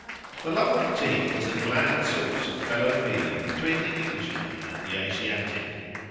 The love of tea is a glad source of fellow feeling between the Englishman and the Asiatic.